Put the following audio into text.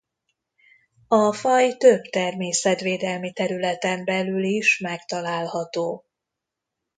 A faj több természetvédelmi területen belül is megtalálható.